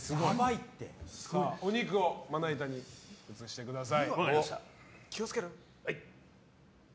では、お肉をまな板に移してください。